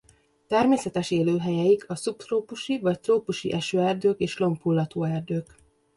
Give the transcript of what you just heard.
Természetes élőhelyeik a szubtrópusi vagy trópusi esőerdők és lombhullató erdők.